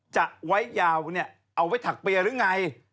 จะไว้ยาวเนี่ยเอาไว้ถักเปียหรือไง